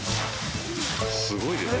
すごいですね。